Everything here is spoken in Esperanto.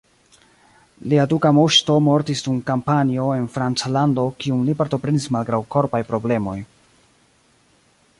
Lia duka moŝto mortis dum kampanjo en Franclando kiun li partoprenis malgraŭ korpaj problemoj.